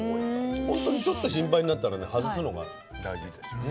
ほんとにちょっと心配になったらね外すのが大事ですよね。